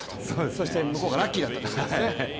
そして向こうがラッキーだったということですね。